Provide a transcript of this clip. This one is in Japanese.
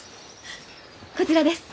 こちらです！